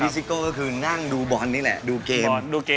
ซิโก้ก็คือนั่งดูบอลนี่แหละดูเกม